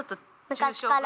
昔から。